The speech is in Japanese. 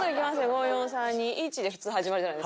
５４３２１」で普通始まるじゃないですか。